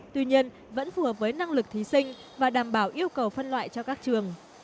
tuy nhiên vẫn phù hợp với năng lực thí sinh và đảm bảo yêu cầu phân loại cho các trường